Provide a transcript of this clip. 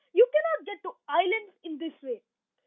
You cannot get to islands in this way."